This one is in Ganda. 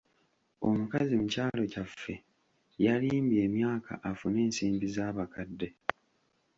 Omukazi mu kyalo kyaffe yalimbye emyaka afune ensimbi z'abakadde.